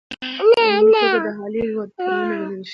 په عمومي توګه د هالي وډ فلمونه ګڼلے شي.